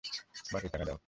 বাজির টাকা দাও!